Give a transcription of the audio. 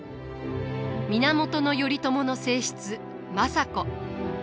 源頼朝の正室政子。